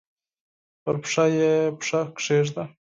پر پښه یې پښه کښېږده!